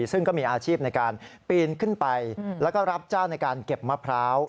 ซึ่งก็มีอาชีพในการปีนขึ้นไปแล้วก็รับจ้างในการเก็บมะพร้าว